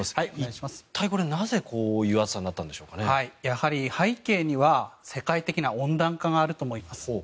一体、なぜこういう暑さにやはり背景には世界的な温暖化があると思います。